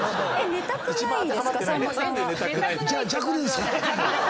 寝たくないんですか？